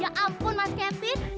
ya ampun mas kevin